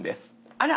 あら！